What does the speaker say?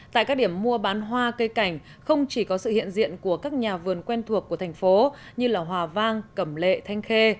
tại các điểm mua bán hoa cây cảnh không chỉ có sự hiện diện của các nhà vườn quen thuộc của thành phố như hòa vang cẩm lệ thanh khê